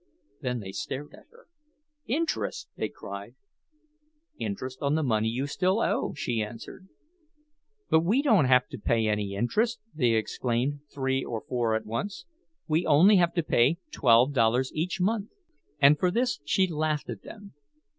Then they stared at her. "Interest!" they cried. "Interest on the money you still owe," she answered. "But we don't have to pay any interest!" they exclaimed, three or four at once. "We only have to pay twelve dollars each month." And for this she laughed at them.